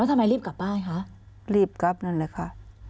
ทำไมรีบกลับบ้านคะรีบกลับนั่นแหละค่ะ